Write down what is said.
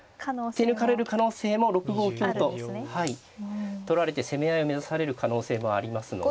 手抜かれる可能性も６五香と取られて攻め合いを目指される可能性もありますので。